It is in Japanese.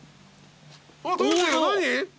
何？